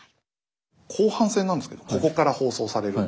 後半戦なんですけどここから放送される。